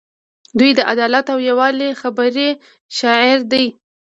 دوی د عدالت او یووالي خبرې شعار دي.